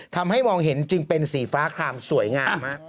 ทำให้มองเห็นจึงเป็นสีฟ้าคลามสวยงาม